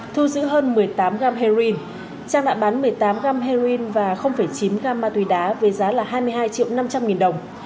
thu giữ hơn một mươi tám g heroin trang đã bán một mươi tám gram heroin và chín gam ma túy đá với giá là hai mươi hai triệu năm trăm linh nghìn đồng